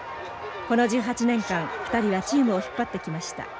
この１８年間２人はチームを引っ張ってきました。